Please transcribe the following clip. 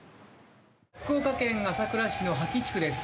福岡県朝倉市の杷木地区です。